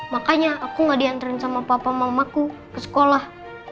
makanya aku gak diantarin sama papa mamaku ke sekolah